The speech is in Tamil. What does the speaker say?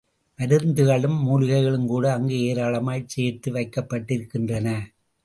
மருந்துகளும் மூலிகைகளும் கூட அங்கு ஏராளமாய்ச் சேர்த்து வைக்கப்பட்டிருக்கின்றன.